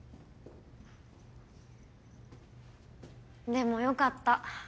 でもよかった。